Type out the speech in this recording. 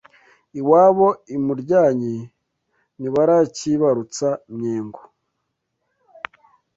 Iwabo i Muryanyi ntibarakibarutsa Myengo